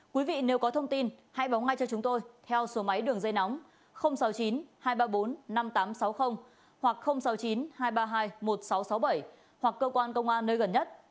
quý vị nếu có thông tin hãy báo ngay cho chúng tôi theo số máy đường dây nóng sáu mươi chín hai trăm ba mươi bốn năm nghìn tám trăm sáu mươi hoặc sáu mươi chín hai trăm ba mươi hai một nghìn sáu trăm sáu mươi bảy hoặc cơ quan công an nơi gần nhất